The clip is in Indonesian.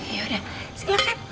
ya udah silahkan